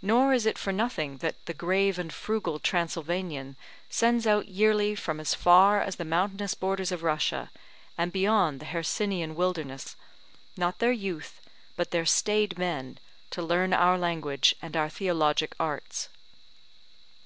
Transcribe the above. Nor is it for nothing that the grave and frugal Transylvanian sends out yearly from as far as the mountainous borders of Russia, and beyond the Hercynian wilderness, not their youth, but their staid men, to learn our language and our theologic arts.